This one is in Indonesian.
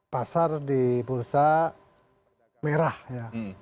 pasar di bursa merah ya